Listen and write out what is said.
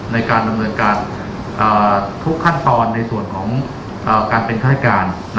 ในการดำเนินการทุกขั้นตอนในส่วนของการเป็นฆาติการ